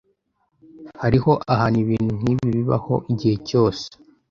Hariho ahantu ibintu nkibi bibaho igihe cyose.